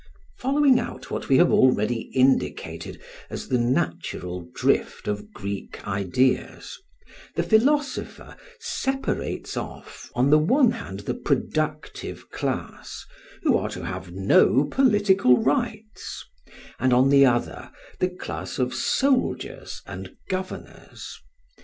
Following out what we have already indicated as the natural drift of Greek ideas, the philosopher separates off on the one hand the productive class, who are to have no political rights; and on the other the class of soldiers and governors.